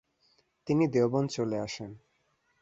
তিনি দেওবন্দ চলে আসেন।